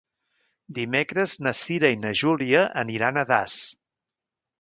Dimecres na Cira i na Júlia aniran a Das.